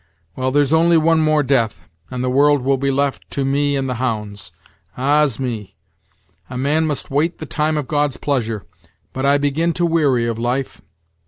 Well, there's only one more death, and the world will be left to me and the hounds, Ah's me! a man must wait the time of God's pleasure, but I begin to weary of life.